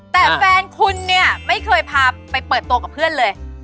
แต่แฟนคุณเนี่ยไม่เคยพาไปเปิดตัวกับเพื่อนเลย